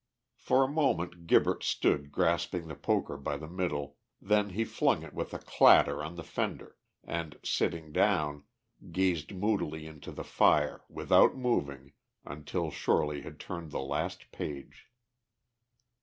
For a moment Gibberts stood grasping the poker by the middle, then he flung it with a clatter on the fender, and, sitting down, gazed moodily into the fire, without moving, until Shorely had turned the last page.